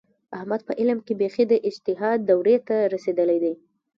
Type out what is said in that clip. احمد په علم کې بیخي د اجتهاد دورې ته رسېدلی دی.